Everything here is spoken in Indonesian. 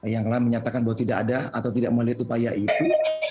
yang telah menyatakan bahwa tidak ada atau tidak melihat upaya itu